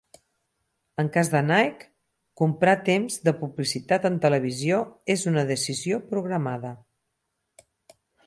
En cas de Nike, comprar temps de publicitat en televisió és una decisió programada.